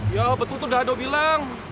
yow betul tuh dah ada bilang